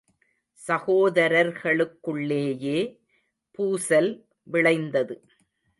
சகோதரர்களுக்குள்ளேயே பூசல் விளைந்தது.